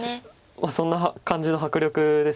そんな感じの迫力です。